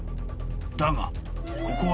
［だがここは］